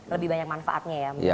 lebih banyak manfaatnya ya